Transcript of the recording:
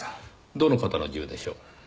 どの型の銃でしょう？